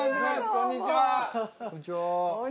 こんにちは。